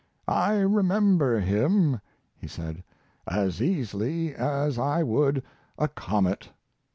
"I remember him," he said, "as easily as I would a comet."